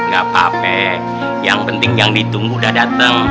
gak apa apa yang penting yang ditunggu udah dateng